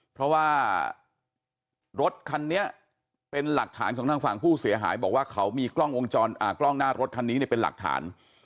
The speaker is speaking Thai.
เพราะว่ารถคันนี้เป็นหลักฐานของทางฝั่งผู้เสียหายบอกว่าเขามีกล้องหน้ารถคันนี้เป็นหลักฐาน